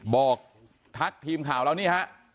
บอกทักทีมข่าวแล้วนี่ฮะ